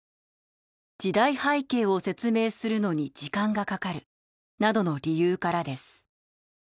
「時代背景を説明するのに時間がかかる」などの理由からです。